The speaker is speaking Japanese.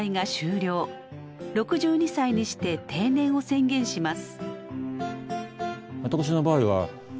６２歳にして定年を宣言します。